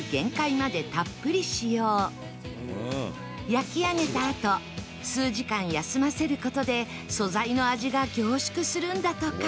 焼き上げたあと数時間休ませる事で素材の味が凝縮するんだとか